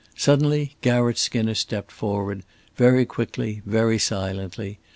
Suddenly Garratt Skinner stepped forward, very quickly, very silently.